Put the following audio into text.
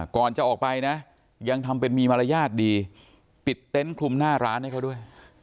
ก่อนจะออกไปนะยังทำเป็นมีมารยาทดีปิดเต็นต์คลุมหน้าร้านให้เขาด้วย